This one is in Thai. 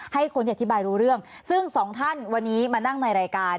ให้คนที่อธิบายรู้เรื่องซึ่งสองท่านวันนี้มานั่งในรายการ